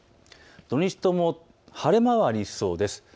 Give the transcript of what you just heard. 土日とも晴れ間がありそうです。